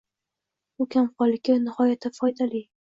Bu kamqonlikka nihoyatda foydali